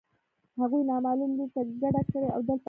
هغوی نامعلوم لوري ته کډه کړې او دلته نشته